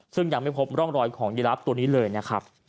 ซึ่งยังไม่พบร่องรอยของยีรับตัวนี้เลยนะครับ